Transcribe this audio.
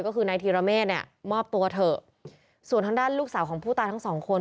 ก็คือนายธีรเมฆเนี่ยมอบตัวเถอะส่วนทางด้านลูกสาวของผู้ตายทั้งสองคน